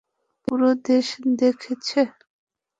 পুরো দেশ দেখছে।